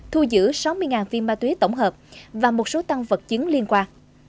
thu giữ sáu mươi viên ma túy tổng hợp và một số tăng vật chứng liên quan